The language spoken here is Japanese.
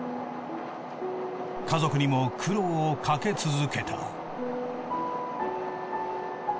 家族にも苦労をかけ続けた。